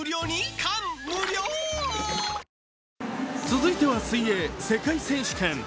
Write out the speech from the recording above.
続いては水泳世界選手権。